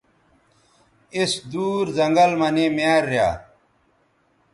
اِس دُور زنگل مہ نے میار ریا